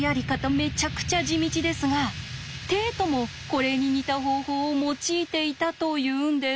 めちゃくちゃ地道ですがテイトもこれに似た方法を用いていたというんです。